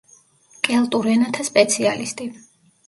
კელტურ ენათა სპეციალისტი.